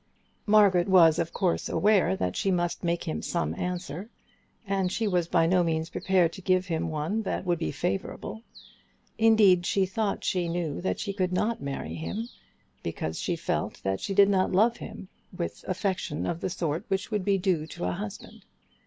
Margaret was, of course, aware that she must make him some answer, and she was by no means prepared to give him one that would be favourable. Indeed, she thought she knew that she could not marry him, because she felt that she did not love him with affection of the sort which would be due to a husband.